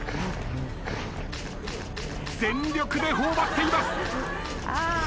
全力で頬張っています。